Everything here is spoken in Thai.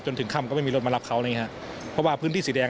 หนึ่งรถที่ไม่กลับมา๒๐คนที่ซื้อตัวมาเอง